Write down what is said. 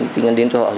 tin nhắn đến cho họ